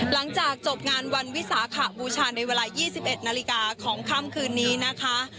หลังจากจบงานวันวิสาขบูชาในเวลา๒๑นาฬิกาของค่ำคืนนี้นะคะ